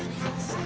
oh siapa ya